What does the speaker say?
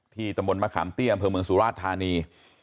ที่ตำบลมะขามเตี้ยมเผอร์เมืองสูราชธาณี